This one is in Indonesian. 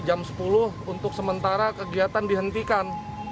jam sepuluh untuk sementara kegiatan dihentikan